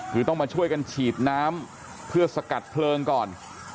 คือต้องมาช่วยกันฉีดน้ำเพื่อสกัดเพลิงก่อน